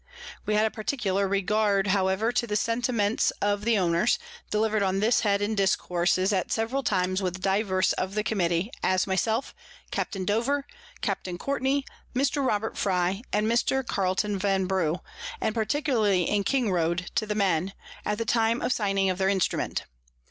We had a particular Regard however to the Sentiments of the Owners, deliver'd on this head in Discourses at several times with divers of the Committee, as my self, Capt. Dover, Capt. Courtney, Mr. Robert Frye, and Mr. Carleton Vanbrugh; and particularly in Kingroad to the Men, at the time of signing of their Instrument.